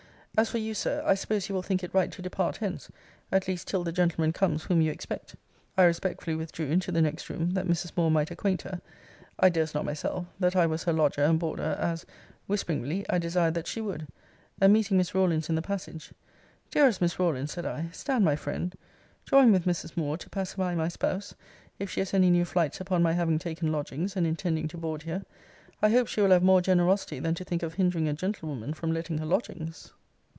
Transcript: As for you, Sir, I suppose you will think it right to depart hence; at least till the gentleman comes whom you expect. I respectfully withdrew into the next room, that Mrs. Moore might acquaint her, (I durst not myself,) that I was her lodger and boarder, as, whisperingly, I desired that she would; and meeting Miss Rawlins in the passage, Dearest Miss Rawlins, said I, stand my friend; join with Mrs. Moore to pacify my spouse, if she has any new flights upon my having taken lodgings, and intending to board here. I hope she will have more generosity than to think of hindering a gentlewoman from letting her lodgings.